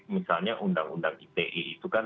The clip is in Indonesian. misalnya undang undang ite itu kan